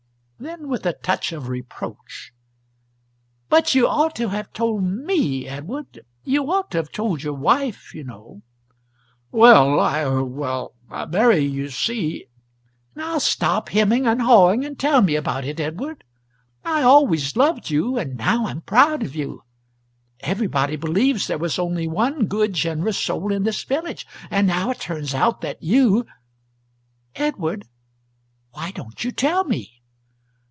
Then, with a touch of reproach, "But you ought to have told me, Edward, you ought to have told your wife, you know." "Well, I er well, Mary, you see " "Now stop hemming and hawing, and tell me about it, Edward. I always loved you, and now I'm proud of you. Everybody believes there was only one good generous soul in this village, and now it turns out that you Edward, why don't you tell me?"